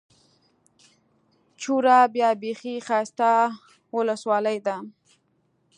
چوره بيا بېخي ښايسته اولسوالي ده.